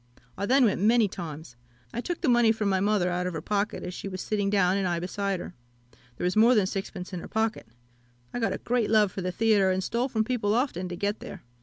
I then went many times. I took the money from my mother out of her pocket as she was sitting down, and I beside her. There was more than sixpence in her pocket. I got a great love for the theatre, and stole from people often to get there.